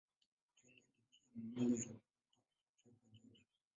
Kiini ni pia mahali pa kutokea kwa joto.